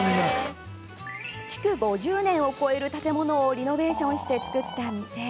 築５０年を超える建物をリノベーションしてつくった店。